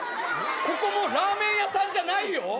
ここもうラーメン屋さんじゃないよ。